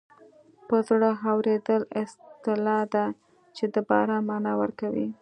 په زړه اورېدل اصطلاح ده چې د باران مانا ورکوي